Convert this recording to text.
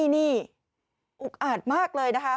นี่อุกอาจมากเลยนะคะ